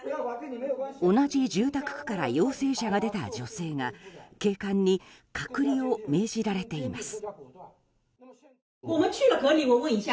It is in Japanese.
同じ住宅区から陽性者が出た女性が警官に隔離を命じられています。